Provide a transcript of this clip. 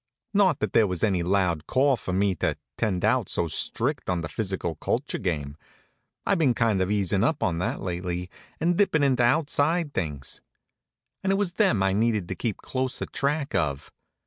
Not that there was any loud call for me to tend out so strict on the physical culture game. I'd been kind of easin' up on that lately, and dippin' into outside things; and it was them I needed to keep closer track of.